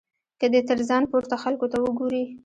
که دی تر ځان پورته خلکو ته وګوري.